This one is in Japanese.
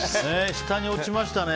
下に落ちましたね。